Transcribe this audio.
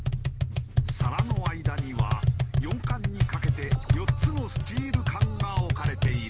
皿の間には「四冠」にかけて４つのスチール缶が置かれている。